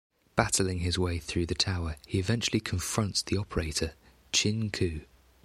Battling his way through the tower he eventually confronts the operator, Chin Ku.